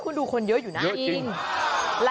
คุณดูคนเยอะอยู่นะ